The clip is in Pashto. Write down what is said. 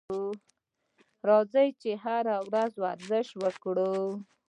راځئ چې هره ورځ ورزش وکړو.